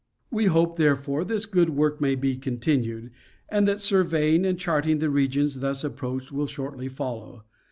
We hope, therefore, this good work may be continued, and that surveying and chart ing the regions thus approached, will shortly follow.